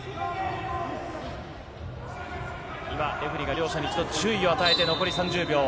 今レフェリーが両者に注意を与えて残り３０秒。